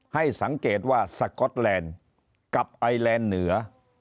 ให้สังเกตว่าสก๊อตแลนด์กับไอแลนด์เหนือ